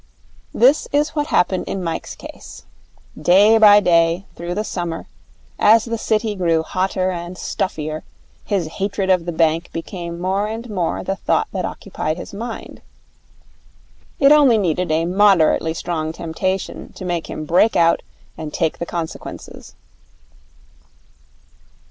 This was what happened in Mike's case. Day by day, through the summer, as the City grew hotter and stuffier, his hatred of the bank became more and more the thought that occupied his mind. It only needed a moderately strong temptation to make him break out and take the consequences.